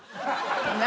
何？